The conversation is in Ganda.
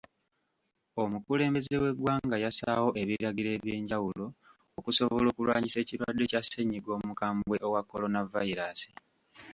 Omukulemelembeze w'eggwnga yassaawo ebiragiro eby'enjawulo okusobola okulwanyisa ekirwadde kya ssenyiga omukambwe owa coronavirus.